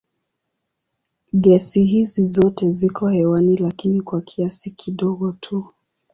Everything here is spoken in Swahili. Gesi hizi zote ziko hewani lakini kwa kiasi kidogo tu.